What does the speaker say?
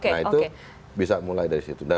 nah itu bisa mulai dari situ